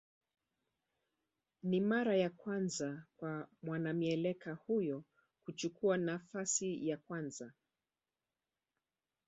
Ni mara ya kwanza kwa mwanamieleka huyo kuchukua nafasi ya kwanza